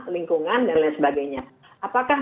lingkungan dan lain sebagainya apakah